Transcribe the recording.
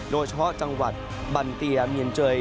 โดยเฉพาะจังหวัดบันเตียเมียนเจย